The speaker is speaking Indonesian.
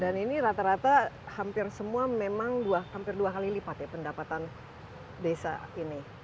dan ini rata rata hampir semua memang hampir dua kali lipat ya pendapatan desa ini